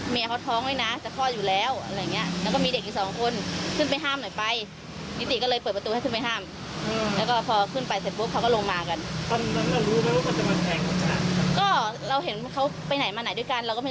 เมืองตก